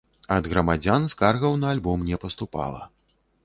Ад грамадзян скаргаў на альбом не паступала.